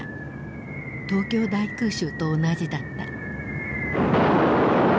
東京大空襲と同じだった。